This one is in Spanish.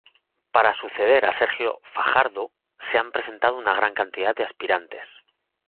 Para suceder a Sergio Fajardo se han presentado una gran cantidad de aspirantes.